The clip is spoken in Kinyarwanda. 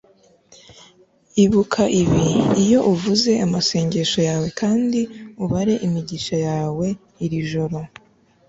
ibuka ibi iyo uvuze amasengesho yawe kandi ubare imigisha yawe iri joro